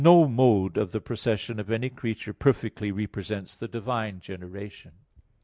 38), no mode of the procession of any creature perfectly represents the divine generation.